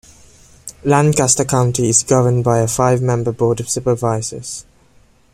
Lancaster County is governed by a five-member board of supervisors.